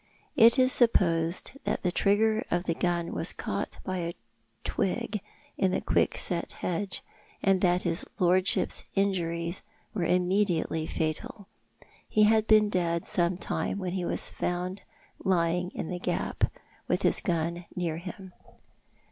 It is supposed that the trigger of the gun was caught by a twig in the quickset hedge, and that his lordship's injuries were immediately fatal. He had been dead some time when he was found lying in the gap, with his gun near him.